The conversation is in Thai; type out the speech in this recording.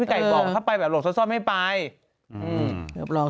พี่ไก่บอกว่าถ้าไปแบบหลบซ่อนซ่อนไม่ไปอืมเหลือบรอง